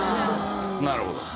なるほど。